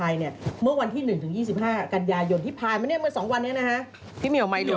ลดเพราะอันนี้หรือไม่นะครับ